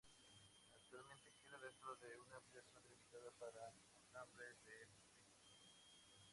Actualmente queda dentro de una amplia zona delimitada por alambre de espino.